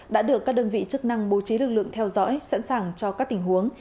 đã được các đơn vị chức năng bố trí lực lượng theo dõi sẵn sàng cho các tình huống